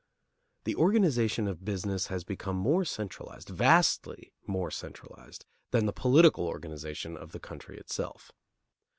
The organization of business has become more centralized, vastly more centralized, than the political organization of the country itself.